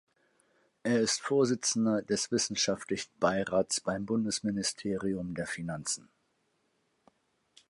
Er ist Vorsitzender des Wissenschaftlichen Beirats beim Bundesministerium der Finanzen.